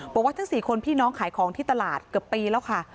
บอกว่าทั้ง๔คนพี่น้องขายของที่ตลาดเกือบปีแล้วค่ะ